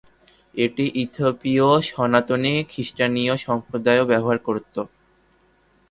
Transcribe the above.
এটি ইথিওপীয় সনাতনী খ্রিস্টীয় সম্প্রদায়ও ব্যবহার করতো।